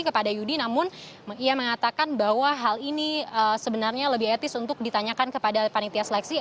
kepada yudi namun ia mengatakan bahwa hal ini sebenarnya lebih etis untuk ditanyakan kepada panitia seleksi